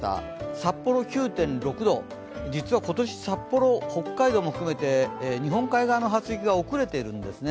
札幌９．６度、実は今年札幌、北海道も含めて日本海側の初雪が遅れているんですね。